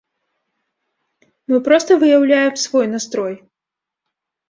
Мы проста выяўляем свой настрой.